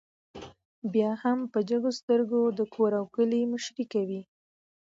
بيا هم په جګو سترګو د کور او کلي مشري کوي